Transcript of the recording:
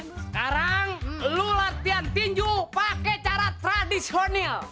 sekarang lu latihan tinju pakai cara tradisional